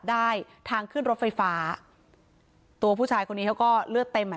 ได้ทางขึ้นรถไฟฟ้าตัวผู้ชายคนนี้เขาก็เลือดเต็มอ่ะ